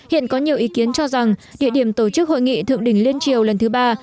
hiện có nhiều ý kiến cho rằng địa điểm tổ chức hội nghị thượng đỉnh liên triều lần thứ ba